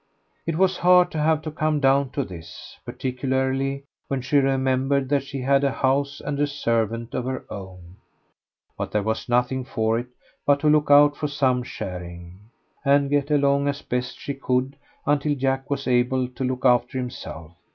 It was hard to have to come down to this, particularly when she remembered that she had had a house and a servant of her own; but there was nothing for it but to look out for some charing, and get along as best she could until Jack was able to look after himself.